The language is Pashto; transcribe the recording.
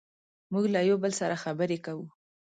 موږ له یو بل سره خبرې کوو.